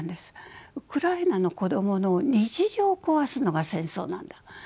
ウクライナの子どもの日常を壊すのが戦争なんだ。